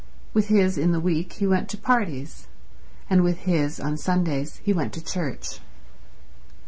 With his in the week he went to parties, and with his on Sundays he went to church.